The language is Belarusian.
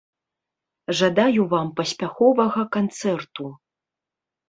Жадаю вам паспяховага канцэрту!